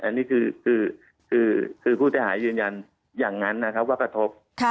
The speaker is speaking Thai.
อันนี้คือผู้เสียหายยืนยันอย่างนั้นนะครับว่ากระทบ